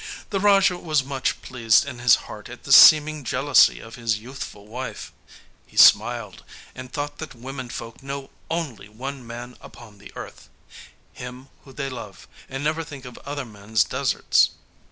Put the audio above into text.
The Raja was much pleased in his heart at this seeming jealousy of his youthful wife. He smiled, and thought that women folk know only one man upon the earth him whom they love; and never think of other men's deserts.